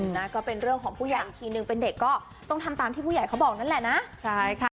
นะก็เป็นเรื่องของผู้ใหญ่อีกทีนึงเป็นเด็กก็ต้องทำตามที่ผู้ใหญ่เขาบอกนั่นแหละนะใช่ค่ะ